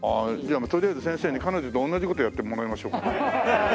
とりあえず先生に彼女とおんなじ事やってもらいましょうか？